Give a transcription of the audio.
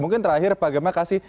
mungkin terakhir pak gemma kasih